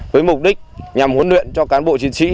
với mục đích nhằm huấn luyện cho cán bộ chiến sĩ